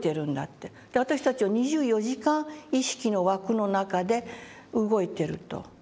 私たちは２４時間意識の枠の中で動いてると。